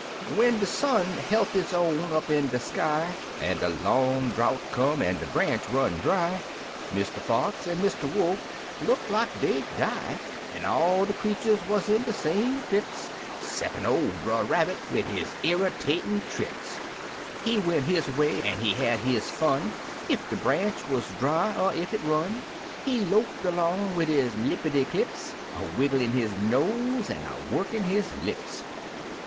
When de Sun belt its own up in de sky, An' de long drouth come, an' de branch run dry, Mr. Fox an' Mr. Wolf look like dey'd die; An' all de creeturs wuz in de same fix, Ceppin' or Brer Rabbit, wid his errytatin' tricks; He went his way, an' he had his fun Ef de branch wuz dry er ef it run; He loped along wid his lippity clips, A wigglin' his nose an' a workin' his lips.